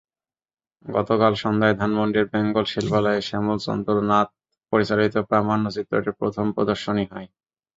গতকাল সন্ধ্যায় ধানমন্ডির বেঙ্গল শিল্পালয়ে শ্যামলচন্দ্র নাথ পরিচালিত প্রামাণ্যচিত্রটির প্রথম প্রদর্শনী হয়।